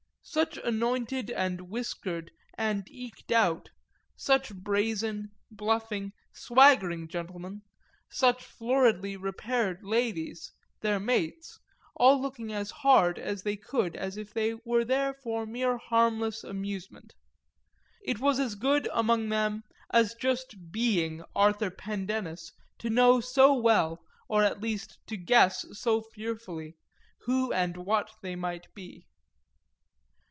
Such anointed and whiskered and eked out, such brazen, bluffing, swaggering gentlemen, such floridly repaired ladies, their mates, all looking as hard as they could as if they were there for mere harmless amusement it was as good, among them, as just being Arthur Pendennis to know so well, or at least to guess so fearfully, who and what they might be.